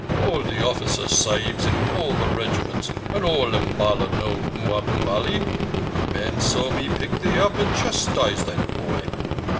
All the officer Sahibs in all the regiments, and all Umballa, know Mahbub Ali. Men saw me pick thee up and chastise that boy.